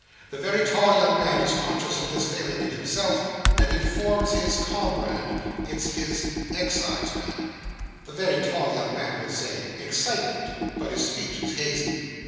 The very tall young man is conscious of this failing in himself; and informs his comrade that it's his "exciseman." The very tall young man would say excitement, but his speech is hazy.